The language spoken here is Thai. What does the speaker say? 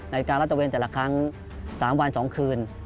ในการละตะเวียนแต่ละครั้ง๓วัน๒คืน